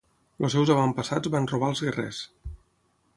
Els seus avantpassats van robar als guerrers.